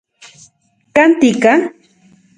¿Kan tika?